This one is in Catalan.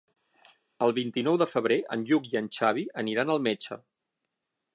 El vint-i-nou de febrer en Lluc i en Xavi aniran al metge.